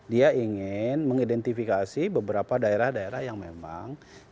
dia ingin mengidentifikasi beberapa daerah daerah yang memang